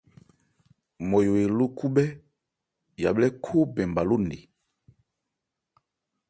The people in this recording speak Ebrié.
Nmɔyo eló khúbhɛ́ yabhlɛ́ khóó bɛn bha ló nne.